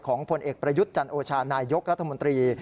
ผลเอกประยุทธ์จันโอชานายกรัฐมนตรี